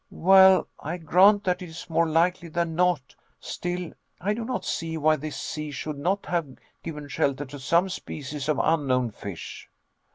"Well, I grant that it is more likely than not: still, I do not see why this sea should not have given shelter to some species of unknown fish."